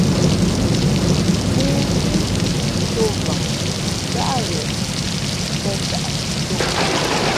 ̀mōō fi, ntōm vam njáʼ gheʼ tᾱ caʼsi tōʼ.